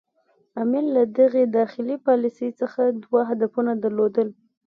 امیر له دغې داخلي پالیسي څخه دوه هدفونه درلودل.